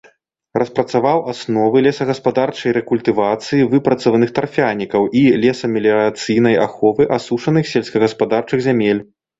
Распрацаваў асновы лесагаспадарчай рэкультывацыі выпрацаваных тарфянікаў і лесамеліярацыйнай аховы асушаных сельскагаспадарчых зямель.